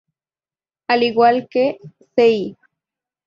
Al igual que "Cl.